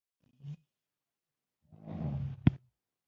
يواځې يوه تشه کوټه لرو.